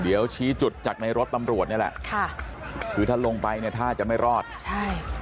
เดี๋ยวชี้จุดจากในรถตำรวจนี่แหละค่ะคือถ้าลงไปเนี่ยถ้าจะไม่รอดใช่